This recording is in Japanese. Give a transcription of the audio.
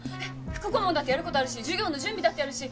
副顧問だってやる事あるし授業の準備だってあるし